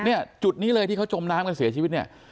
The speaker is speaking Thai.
เนี่ยจุดนี้เลยที่เขาจมน้ำกันเสียชีวิตเนี่ย